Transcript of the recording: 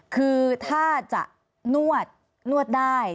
คือถ้าจะนวดนวดได้